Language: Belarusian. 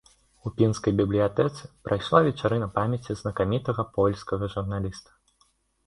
У пінскай бібліятэцы прайшла вечарына памяці знакамітага польскага журналіста.